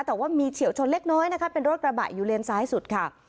แต่ว่ามีเฉียวชนเล็กน้อยนะคะเป็นรถกระบะอยู่เลนซ้ายสุดค่ะ